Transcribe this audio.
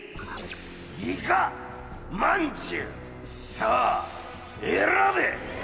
さあ選べ！